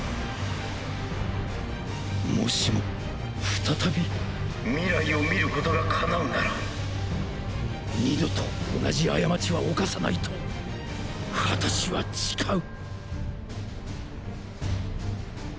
もしも再び未来を見ることが叶うなら二度と同じ過ちは犯さないと私は誓う。